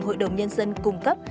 hội đồng nhân dân cung cấp